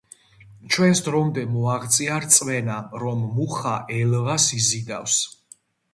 ჩვენს დრომდე მოაღწია რწმენამ, რომ მუხა ელვას იზიდავს.